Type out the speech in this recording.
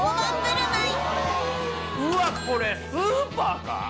うわっこれスーパーか！？